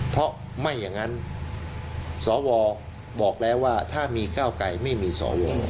เพราะไม่อย่างนั้นสวบอกแล้วว่าถ้ามีก้าวไกรไม่มีสว